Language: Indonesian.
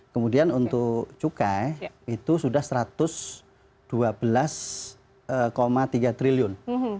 kemudian untuk cukai itu sudah rp satu ratus dua belas tiga triliun